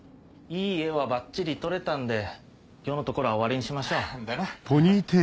いい画はバッチリ撮れたんで今日のところは終わりにしましょう。だな。